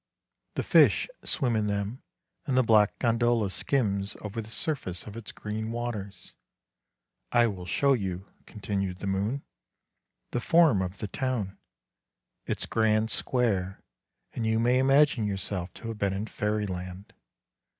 The fish swim in them, and the black gondola skims over the surface of its green waters. I will show you," continued the moon, " the Forum of the town, its grand square, and you may imagine yourself to have been in Fairyland.